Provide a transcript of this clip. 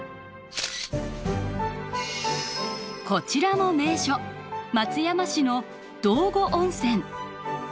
こちらも名所松山市の道後温泉！